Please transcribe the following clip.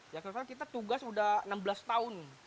ya karena kita tugas sudah enam belas tahun